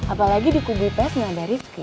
apalagi di kubu pes nggak ada rizky